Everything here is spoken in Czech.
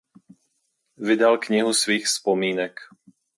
Vydal knihu svých vzpomínek.